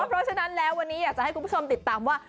เพราะฉะนั้นแล้ววันนี้อยากจะให้คุณผู้ชมติดตามว่า